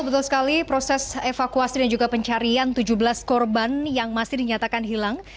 betul sekali proses evakuasi dan juga pencarian tujuh belas korban yang masih dinyatakan hilang